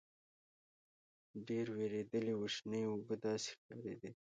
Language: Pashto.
ډېر وېردلي وو شنې اوبه داسې ښکارېدې.